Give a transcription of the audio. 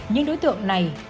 những đối tượng này